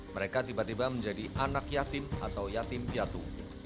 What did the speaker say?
mereka tiba tiba menjadi anak yatim atau yatim piatu